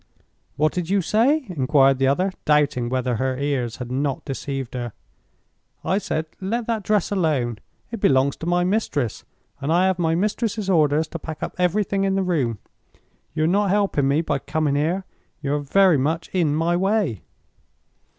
"What did you say?" inquired the other, doubting whether her ears had not deceived her. "I said, let that dress alone. It belongs to my mistress, and I have my mistress's orders to pack up everything in the room. You are not helping me by coming here—you are very much in my way."